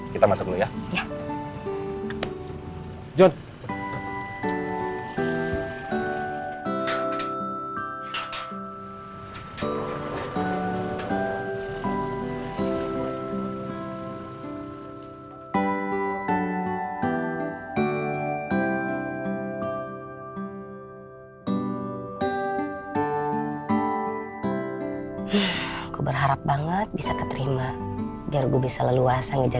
kita masuk dulu ya